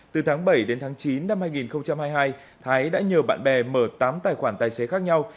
từ tháng bảy đến tháng chín năm hai nghìn hai mươi hai thái đã nhờ bạn bè mở tám tài khoản tài xế khác nhau